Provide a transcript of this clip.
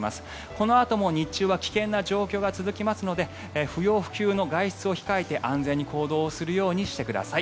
このあとも日中は危険な状況が続きますので不要不急の外出を控えて安全に行動するようにしてください。